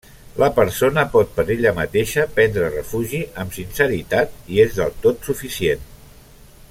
La persona pot per ella mateixa prendre refugi amb sinceritat i és del tot suficient.